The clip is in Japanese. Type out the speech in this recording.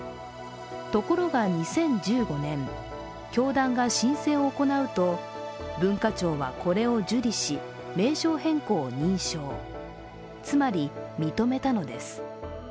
ところが２０１５年、教団が申請を行うと文化庁はこれを受理し、名称変更を認証、つまり、認めたのです。